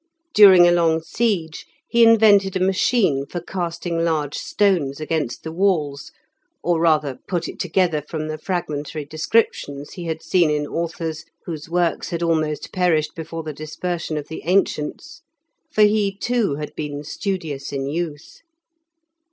During a long siege, he invented a machine for casting large stones against the walls, or rather put it together from the fragmentary descriptions he had seen in authors, whose works had almost perished before the dispersion of the ancients; for he, too, had been studious in youth.